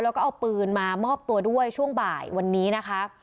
แล้วก็เอาปืนมามอบตัวด้วยช่วงบ่ายวันนี้นะคะ